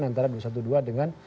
antara dua ratus dua belas dengan